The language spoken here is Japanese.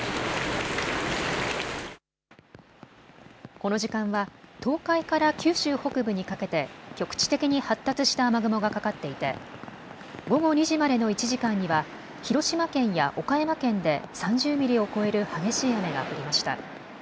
この時間は東海から九州北部にかけて局地的に発達した雨雲がかかっていて午後２時までの１時間には広島県や岡山県で３０ミリを超える激しい雨が降りました。